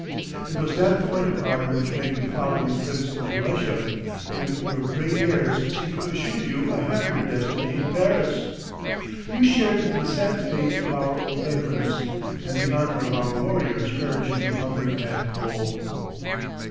It was that point of honor which made you follow your prince into Russia, when your gray hairs seemed to assure you a happier destiny in Paris. You shared the sad fate of our old veterans, and the honor of our warriors perishing of hunger and cold."